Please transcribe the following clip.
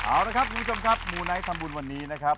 เอาละครับคุณผู้ชมครับมูไนท์ทำบุญวันนี้นะครับ